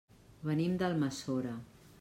Venim d'Almassora.